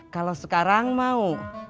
kalo sekarang mau